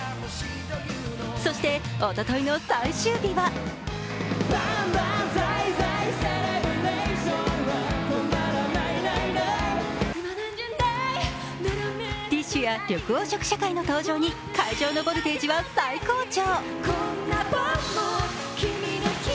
そして、おとといの最終日はＤＩＳＨ／／や緑黄色社会の登場に会場のボルテージは最高潮。